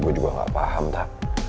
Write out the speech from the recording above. buat malam satu